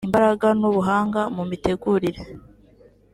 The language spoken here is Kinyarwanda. imbaraga n’ubuhanga mu mitegurire